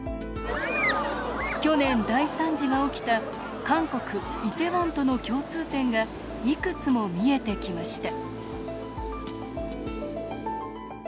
去年、大惨事が起きた韓国・イテウォンとの共通点がいくつも見えてきました。